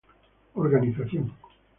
Organización